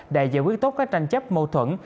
đã giải quyết tốt các tranh chấp mâu thuẫn